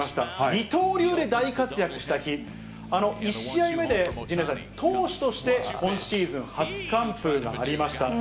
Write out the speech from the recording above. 二刀流で大活躍した日、あの、１試合目で陣内さん、投手として今シーズン初完封がありました。